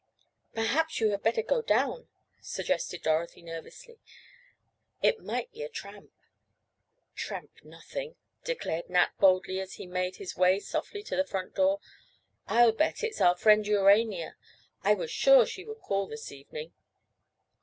"Perhaps you had better go down," suggested Dorothy nervously. "It might be a tramp." "Tramp nothing," declared Nat boldly, as he made his way softly to the front door. "I'll bet it's our friend Urania. I was sure she would call this evening."